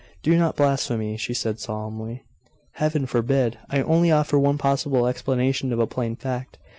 'Do not blaspheme!' she said solemnly. 'Heaven forbid! I only offer one possible explanation of a plain fact.